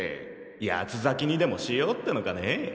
八つ裂きにでもしようってのかねぇ。